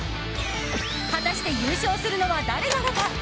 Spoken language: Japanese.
果たして優勝するのは誰なのか？